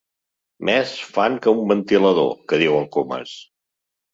Més fan que un ventilador, que diu el Comas.